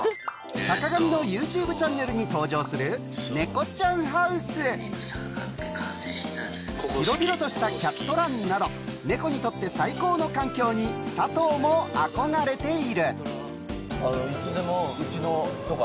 坂上のＹｏｕＴｕｂｅチャンネルに登場する猫ちゃんハウス広々としたキャットランなど猫にとって最高の環境に佐藤も憧れているホントですか？